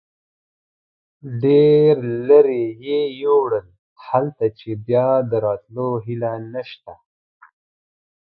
ډېر لرې یې یوړل، هلته چې بیا د راتلو هیله نشته.